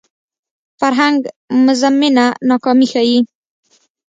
فرهنګ مزمنه ناکامي ښيي